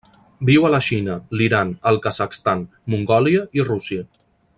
Viu a la Xina, l'Iran, el Kazakhstan, Mongòlia i Rússia.